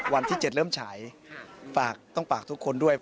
วันที่๗เริ่มฉายฝากต้องฝากทุกคนด้วย